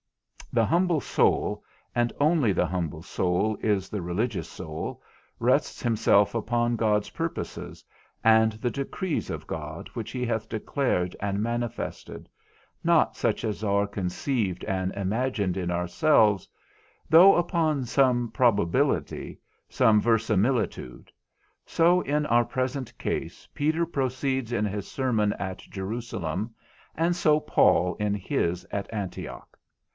The humble soul (and only the humble soul is the religious soul) rests himself upon God's purposes and the decrees of God which he hath declared and manifested, not such as are conceived and imagined in ourselves, though upon some probability, some verisimilitude; so in our present case Peter proceeds in his sermon at Jerusalem, and so Paul in his at Antioch.